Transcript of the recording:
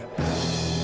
masa pak ridwan